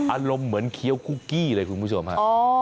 อารมณ์เหมือนเคี้ยวคุกกี้เลยคุณผู้ชมฮะ